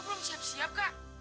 kak belum siap siap kak